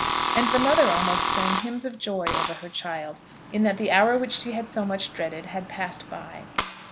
And the mother almost sang hymns of joy over her child, in that the hour which she had so much dreaded had passed by.